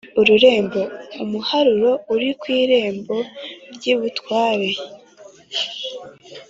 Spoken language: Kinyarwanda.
ururembo: umuharuro uri ku irembo ry’ibutware.